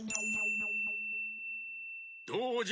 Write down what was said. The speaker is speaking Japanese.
どうじゃ？